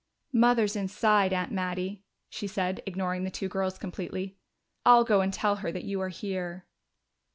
"Mother's inside, Aunt Mattie," she said, ignoring the two girls completely. "I'll go and tell her that you are here."